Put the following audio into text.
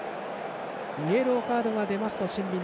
イエローカードが出ますとシンビン。